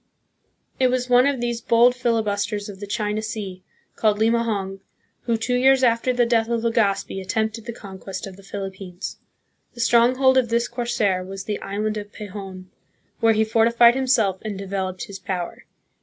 It was one of these bold filibusters of the China Sea, called Limahong, who two years after the death of Legazpi attempted the conquest of the Philippines. The strong hold of this corsair was the island of Pehon, where he fortified himself and developed his power.